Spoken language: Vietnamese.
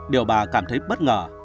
điều bà cảm thấy bất ngờ